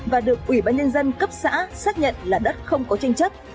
và được ủy ban nhân dân cấp xã xác nhận là đất không có tranh chấp